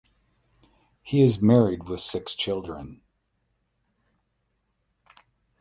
He is married (with six children).